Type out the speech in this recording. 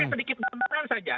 sedikit gambaran saja